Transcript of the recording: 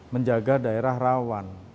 menjaga daerah rawan